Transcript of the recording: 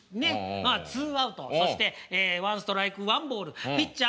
ツーアウトそしてワンストライクワンボールピッチャー